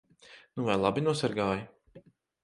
Nu vai labi nosargāji?